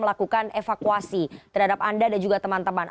melakukan evakuasi terhadap anda dan juga teman teman